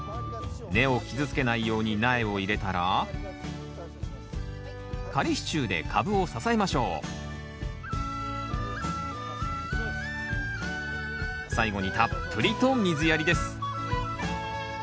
根を傷つけないように苗を入れたら仮支柱で株を支えましょう最後にたっぷりと水やりです。